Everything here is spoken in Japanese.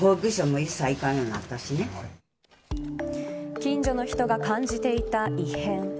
近所の人が感じていた異変。